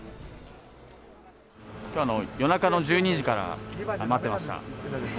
きょうの夜中の１２時から、待ってました。